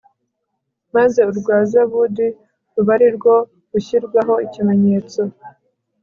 maze urwa zabudi ruba ari rwo rushyirwaho ikimenyetso